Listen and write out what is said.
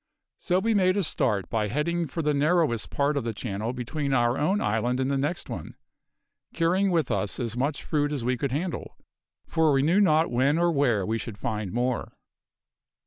So we made a start by heading for the narrowest part of the channel between our own island and the next one, carrying with us as much fruit as we could handle, for we knew not when or where we should find more.